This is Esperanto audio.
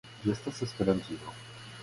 Ĝi estas esperantido.